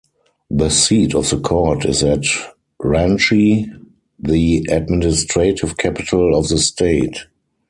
The seat of the court is at Ranchi, the administrative capital of the state.